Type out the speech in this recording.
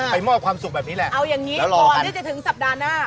มอบความสุขแบบนี้แหละเอาอย่างนี้ก่อนที่จะถึงสัปดาห์หน้า